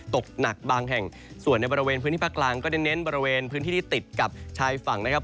ตกหนักบางแห่งส่วนในบริเวณพื้นที่ภาคกลางก็เน้นบริเวณพื้นที่ที่ติดกับชายฝั่งนะครับ